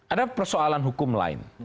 ada persoalan hukum lain